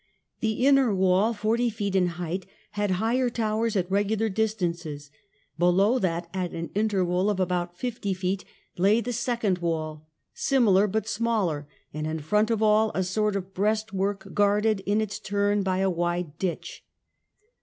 The inner wall, forty feet in height, had higher towers at regular distances ; below that at an interval of about fifty feet lay the second wall, similar but smaller, and in front of all a sort of breastwork guarded in its turn by a wide ditch.